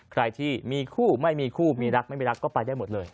ใครที่มีคู่ไม่มีคู่มีรักไม่มีรักก็ไปได้หมดเลย